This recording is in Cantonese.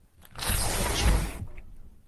一串